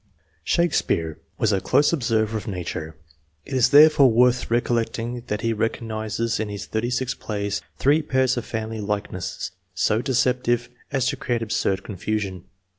Shakespeare was a close observer of nature ; it is, therefore, worth recollecting that he recognizes in his thirty six plays three pairs of family likeness so deceptive as to create absurd confusion.